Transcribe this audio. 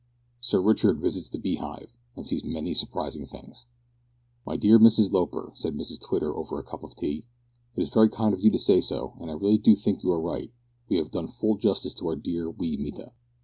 SIR RICHARD VISITS THE BEEHIVE, AND SEES MANY SURPRISING THINGS. "My dear Mrs Loper," said Mrs Twitter over a cup of tea, "it is very kind of you to say so, and I really do think you are right, we have done full justice to our dear wee Mita.